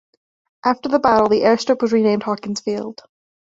After the battle the airstrip was renamed Hawkins Field.